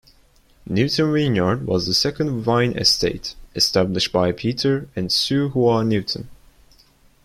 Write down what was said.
Newton Vineyard was the second wine estate established by Peter and Su Hua Newton.